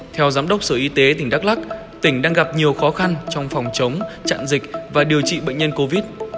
theo giám đốc sở y tế tỉnh đắk lắc tỉnh đang gặp nhiều khó khăn trong phòng chống chặn dịch và điều trị bệnh nhân covid